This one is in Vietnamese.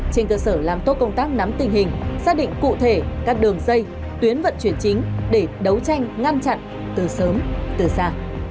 trên cơ sở làm tốt công tác nắm tình hình xác định cụ thể các đường dây tuyến vận chuyển chính để đấu tranh ngăn chặn từ sớm từ xa